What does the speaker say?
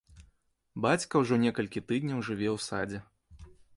Бацька ўжо некалькі тыдняў жыве ў садзе.